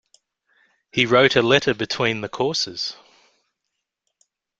He wrote a letter between the courses.